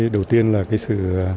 đầu tiên là cái sự